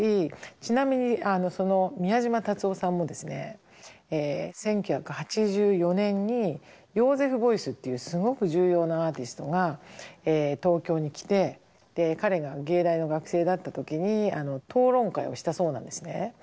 ちなみにその宮島達男さんもですね１９８４年にヨーゼフ・ボイスっていうすごく重要なアーティストが東京に来て彼が芸大の学生だった時に討論会をしたそうなんですね。